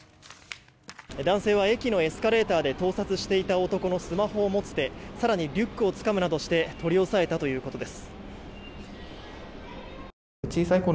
男性は駅のエスカレーターで盗撮していた男のスマホを持って更にリュックをつかむなどして取り押さえたということです。